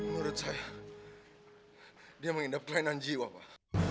menurut saya dia mengidap kelainan jiwa pak